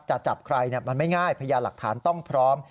จะจับใครมันไม่ง่ายพยานหลักฐานต้องพร้อม